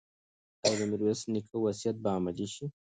ایا د میرویس نیکه وصیت به عملي شي؟